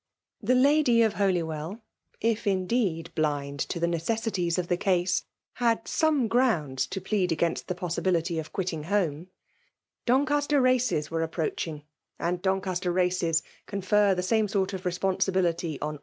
, The lady of Holywell (if iodeed blind to the. necessities of the case) had some graaads to plead against the possibility of V^iillteg home, Doneaster races were approaobing; and Doneaster races confer the same sott of responsibility on.